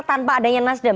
tanpa adanya nasdem